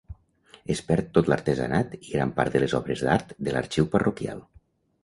Es perd tot l'artesanat i gran part de les obres d'art de l'arxiu parroquial.